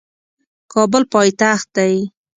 کابل پایتخت دی